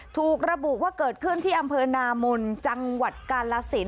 ถูกระบุว่าเกิดขึ้นที่อำเภอนามนจังหวัดกาลสิน